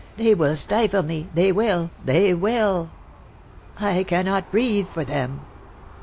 They will stifle me! — they will, they will. I cannot breathe for them